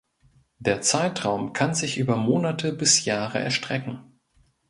Der Zeitraum kann sich über Monate bis Jahre erstrecken.